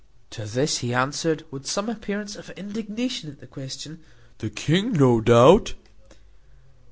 To this he answered, with some appearance of indignation at the question, "The king, without doubt."